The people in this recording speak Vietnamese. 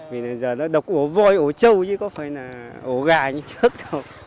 vì giờ nó độc ổ voi ổ châu chứ có phải là ổ gà như trước đâu